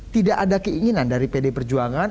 tidak ada keinginan dari pd perjuangan